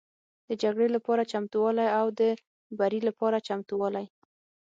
د جګړې لپاره چمتووالی او د بري لپاره چمتووالی